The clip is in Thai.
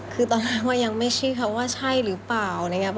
คือตอนแรกว่ายังไม่ชื่อคำว่าใช่หรือเปล่า